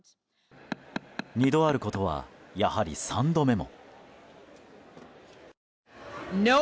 ２度あることはやはり３度目も。